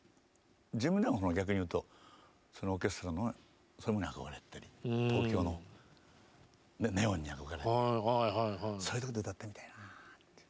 自分では逆にいうとそのオーケストラのそういうものに憧れたり東京のネオンに憧れてそういうところで歌ってみたいなという。